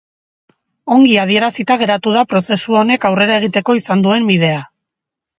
Ongi adierazita geratu da prozesu honek aurrera egiteko izan duen bidea.